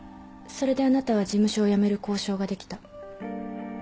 それであなたは事務所を辞める交渉ができた。